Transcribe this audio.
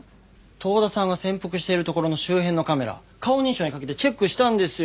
遠田さんが潜伏している所の周辺のカメラ顔認証にかけてチェックしたんですよ